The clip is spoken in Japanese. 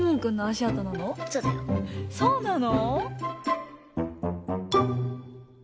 そうなの？